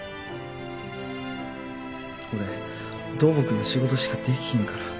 俺土木の仕事しかできひんから。